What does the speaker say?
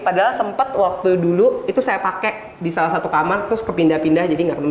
padahal sempat waktu dulu itu saya pakai di salah satu kamar terus kepindah pindah jadi nggak kena